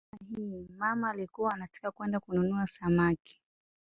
Tazama hii: "mama alikuwa anataka kwenda kununua samaki".